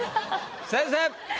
先生！